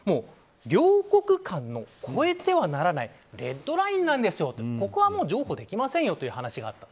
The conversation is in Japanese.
両国間の超えてはならないレッドラインなんですよとここは譲歩できませんという話があった。